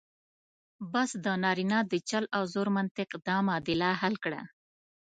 بس د نارینه د چل او زور منطق دا معادله حل کړه.